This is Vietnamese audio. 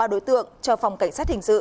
ba đối tượng cho phòng cảnh sát hình sự